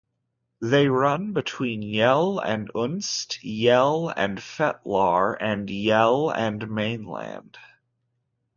They run between Yell and Unst, Yell and Fetlar and Yell and Mainland.